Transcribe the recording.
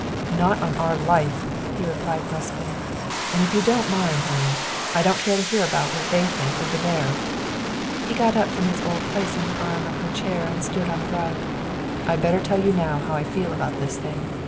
"Not on our life!" he replied brusquely. "And if you don't mind, honey, I don't care to hear about what they think over there." He got up from his old place on the arm of her chair and stood on the rug. "I'd better tell you now how I feel about this thing.